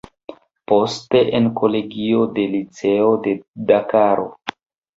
Poste en kolegio kaj liceo de Dakaro.